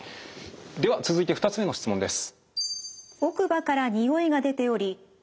では続いて２つめの質問です。